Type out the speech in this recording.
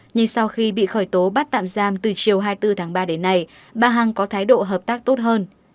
nhưng sau khi bị khởi tố bắt tạm giam từ chiều hai mươi bốn tháng ba đến nay bà hằng có thái độ hợp tác tốt hơn